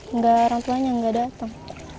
enggak orang tuanya nggak datang